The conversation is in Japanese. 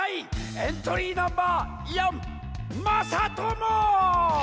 エントリーナンバー４まさとも！